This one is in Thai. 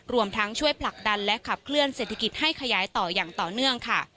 รวมทั้งช่วยผลักดันและขับเคลื่อนเศรษฐกิจให้ขยายต่ออย่างต่อเนื่องค่ะ